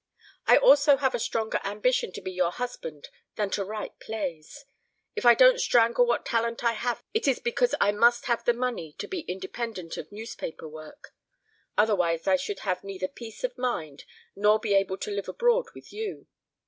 I also have a stronger ambition to be your husband than to write plays. If I don't strangle what talent I have it is because I must have the money to be independent of newspaper work. Otherwise I should have neither peace of mind nor be able to live abroad with you.